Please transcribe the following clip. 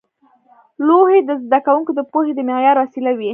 لوحې د زده کوونکو د پوهې د معیار وسیله وې.